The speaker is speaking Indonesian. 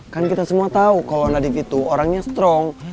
kan kita semua tau kalo nadif itu orangnya strong